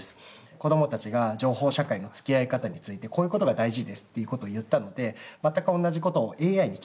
子どもたちが情報社会のつきあい方についてこういうことが大事ですっていうことを言ったので全く同じことをＡＩに聞いてみて。